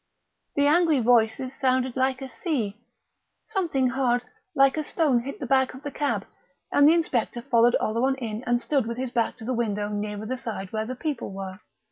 The angry voices sounded like a sea; something hard, like a stone, hit the back of the cab; and the inspector followed Oleron in and stood with his back to the window nearer the side where the people were.